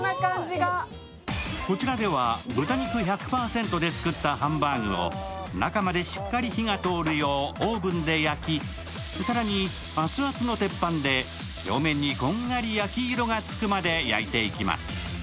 こちらでは豚肉１００％で作ったハンバーグを中までしっかり火が通るようオーブンで焼き、更に熱々の鉄板で表面にこんがり焼き色がつくまで焼いていきます。